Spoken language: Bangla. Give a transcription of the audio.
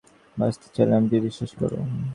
বাঁচতে চাইলে আমাকে বিশ্বাস কর।